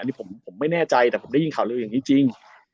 อันนี้ผมไม่แน่ใจอันนี้ผมได้ยินเล่าอย่างนี้จริง